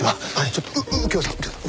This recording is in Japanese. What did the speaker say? ちょっとう右京さん！